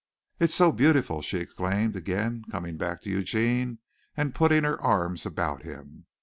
"It's so beautiful," she exclaimed again, coming back to Eugene and putting her arms about him.